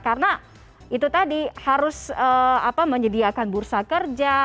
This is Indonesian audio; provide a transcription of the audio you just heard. karena itu tadi harus menyediakan bursa kerja